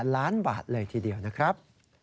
ล้านบาทเลยทีเดียวนะครับ